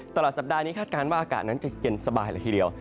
ตลอดสัปดาห์นี้คาดการณ์ว่าอากาศนั้นจะเย็นสบายเลยทีเดียว